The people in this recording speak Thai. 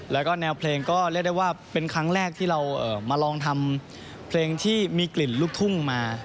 แล้วก็แนวเพลงก็เรียกได้ว่าเป็นครั้งแรกที่เรามาลองทำเพลงที่มีกลิ่นลูกทุ่งมา